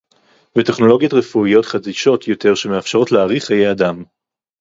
וטכנולוגיות רפואיות חדישות יותר שמאפשרות להאריך חיי אדם